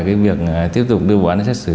cái việc tiếp tục đưa bộ án xét xử